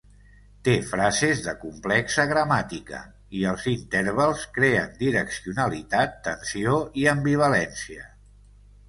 Té frases de complexa gramàtica, i els intervals creen direccionalitat, tensió i ambivalència.